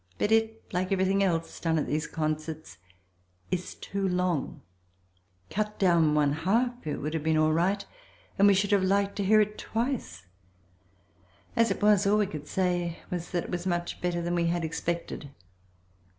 But it, like everything else done at these concerts, is too long, cut down one half it would have been all right and we should have liked to hear it twice. As it was, all we could say was that it was much better than we had expected.